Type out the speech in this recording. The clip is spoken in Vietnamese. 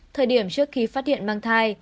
thời điểm trước khi phát hiện mang thai